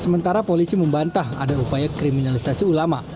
sementara polisi membantah ada upaya kriminalisasi ulama